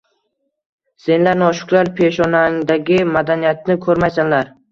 Senlar noshukur: peshonangdagi madaniyatni ko‘rmaysanlar